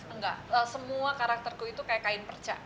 enggak semua karakterku itu kayak kain perca